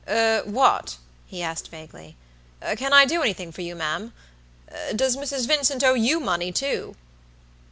"Eh, what?" he asked, vaguely. "Can I do anything for you, ma'am? Does Mrs. Vincent owe you money, too?"